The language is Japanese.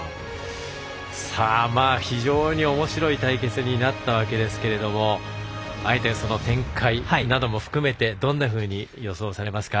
非常におもしろい対決になったわけですけどもあえて、その展開なども含めてどんなふうに予想されますか？